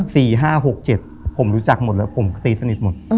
สี่ห้าหกเจ็ดผมรู้จักหมดแล้วผมก็ตีสนิทหมด